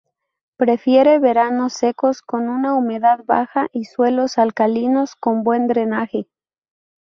Prefiere veranos secos con una humedad baja y suelos alcalinos con buen drenaje.